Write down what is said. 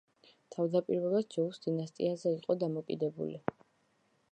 თავდაპირველად ჯოუს დინასტიაზე იყო დამოკიდებული.